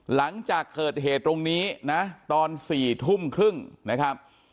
หลังจากเกิดเหตุตรงนี้นะตอน๔ทุ่มครึ่งนะครับ